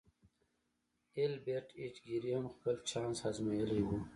ایلبرټ ایچ ګیري هم خپل چانس ازمایلی و